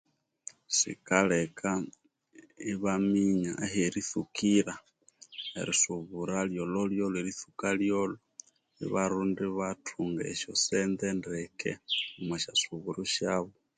Sikaleka ibaminya aheritsukira erisubura lyololyolo eritasuka lyolo ibarunda ibatunga esente ndeke omusyasuburu syabu